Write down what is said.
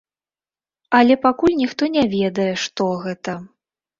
Але пакуль ніхто не ведае, што гэта.